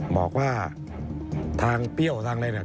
บอกว่าทางเปรี้ยวทางอะไรเนี่ย